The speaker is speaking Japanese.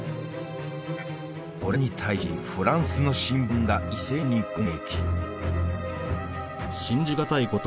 これに対しフランスの新聞が一斉に攻撃。